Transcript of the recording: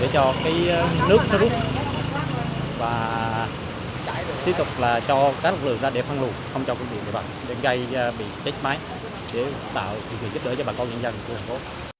cái nước sẽ rút và tiếp tục là cho các lực lượng ra để phân lụt không cho công viên địa bàn để gây bị chết mái để tạo điều kiện kích cỡ cho bà con nhân dân của thành phố